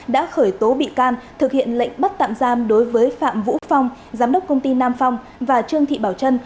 đã khởi tố bị can thực hiện lệnh bắt tạm giam đối với phạm vũ phong giám đốc công ty nam phong và trương thị bảo trân